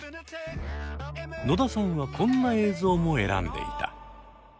野田さんはこんな映像も選んでいた。